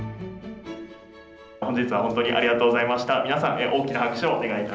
本日は本当にありがとうございました。